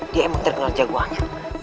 dia emang terkenal jagoannya